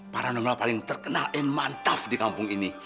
para nomel paling terkenal dan mantap di kampung ini